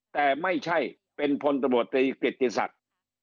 แต่ไม่ใช่เป็นพลตบตรีกฤติศักดิ์